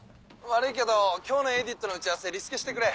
悪いけど今日のエイディットの打ち合わせリスケしてくれ。